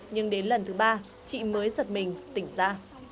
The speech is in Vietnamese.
nhưng đến lần thứ ba chị mới giật mình tỉnh ra